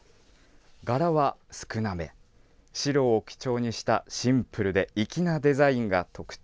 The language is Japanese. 柄は少なめ、白を基調にした、シンプルで粋なデザインが特徴。